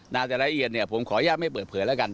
นาฬิรัยียนผมขออนุญาตไม่เปิดเผลอแล้วกัน